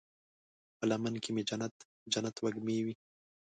په لمن کې مې جنت، جنت وږمې وی